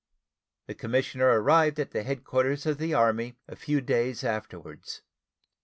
The commissioner arrived at the headquarters of the Army a few days afterwards.